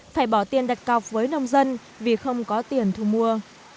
phải bỏ tiền đặt cọc với nông dân vì không có tiền thu mua